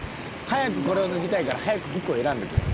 早くこれを脱ぎたいから早く服を選んでくれ。